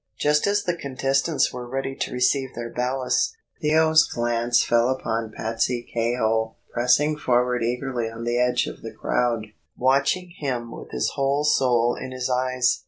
Just as the contestants were ready to receive their ballast, Theo's glance fell upon Patsey Kehoe pressing forward eagerly on the edge of the crowd, watching him with his whole soul in his eyes.